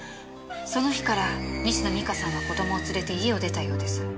その日から西野実花さんは子供を連れて家を出たようです。